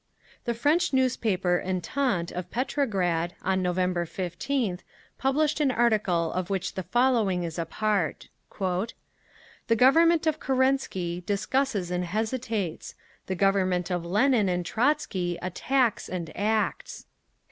The French newspaper Entente of Petrograd, on November 15th, published an article of which the following is a part: "The Government of Kerensky discusses and hesitates. The Government of Lenin and Trotzky attacks and acts.